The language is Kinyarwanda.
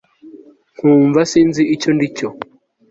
nkumva sinzi icyo ndicyo